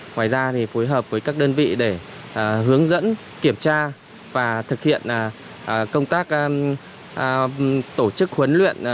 ngoài ra phối hợp với các đơn vị để hướng dẫn kiểm tra và thực hiện công tác tổ chức huấn luyện